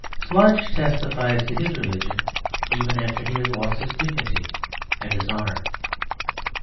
Sludge testifies to his religion even after he has lost his dignity and his honour.